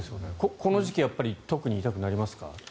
この時期特に痛くなりますか？